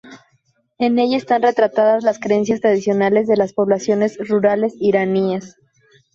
En ella están retratadas las creencias tradicionales de las poblaciones rurales iraníes.